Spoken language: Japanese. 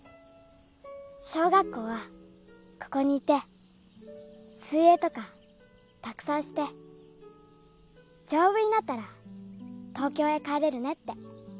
小学校はここにいて水泳とかたくさんして丈夫になったら東京へ帰れるねって。